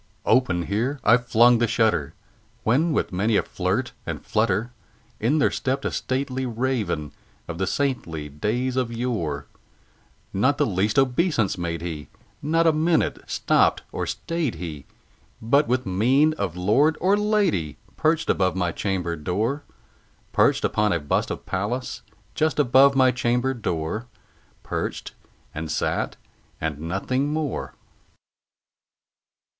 Open here I flung the shutter, when, with many a flirt and flutter, In there stepped a stately Raven of the saintly days of yore; Not the least obeisance made he: not an instant stopped or stayed he; But, with mien of lord or lady, perched above my chamber door Perched upon a bust of Pallas just above my chamber door Perched, and sat, and nothing more.